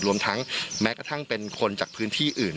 รวมทั้งแม้กระทั่งเป็นคนจากพื้นที่อื่น